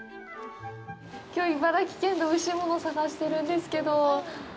きょう、茨城県でおいしいものを探してるんですけど。